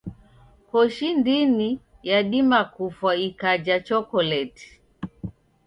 Koshi ndini yadima kufwa ikaja chokoleti.